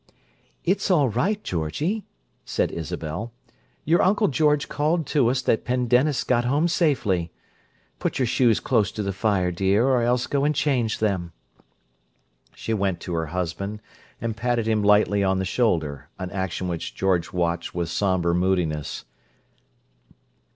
"It's all right, Georgie," said Isabel. "Your Uncle George called to us that Pendennis got home safely. Put your shoes close to the fire, dear, or else go and change them." She went to her husband and patted him lightly on the shoulder, an action which George watched with sombre moodiness.